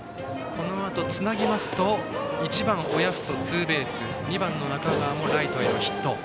このあとにつなぎますと１番、親富祖はツーベース２番の中川もライトへのヒット。